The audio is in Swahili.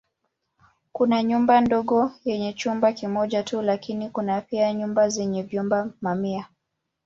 Kuna nyumba ndogo yenye chumba kimoja tu lakini kuna pia nyumba zenye vyumba mamia.